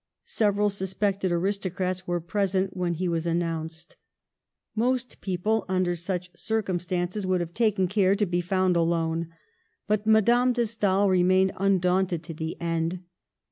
Several suspected aristocrats were present when he was announced. Most people under such cir Digitized by VjOOQIC 68 MADAME DE STAEL cum stances would have taken care to be found alone ; but Madame de Stael remained undaunt ed to the end.